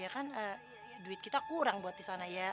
ya kan duit kita kurang buat disana ya